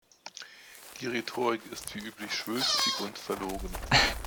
Die Rhetorik ist wie üblich schwülstig und verlogen.